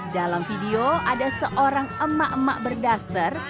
dalam video ada seorang emak emak berdaster